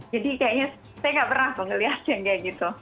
jadi kayaknya saya nggak pernah melihatnya kayak gitu